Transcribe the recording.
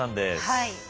はい。